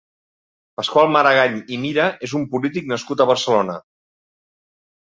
Pasqual Maragall i Mira és un polític nascut a Barcelona.